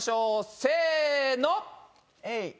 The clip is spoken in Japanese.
せの！